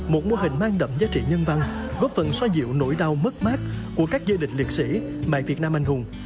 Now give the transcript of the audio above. một mô hình mang đậm giá trị nhân văn góp phần xoa dịu nỗi đau mất mát của các gia đình liệt sĩ mẹ việt nam anh hùng